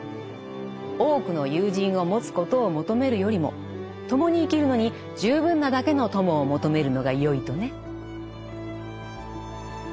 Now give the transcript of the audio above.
多くの友人を持つことを求めるよりも共に生きるのに十分なだけの友を求めるのがよいとね。